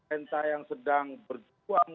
entah yang sedang berjuang